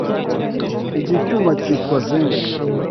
Iki cyuma cyitwa zinc.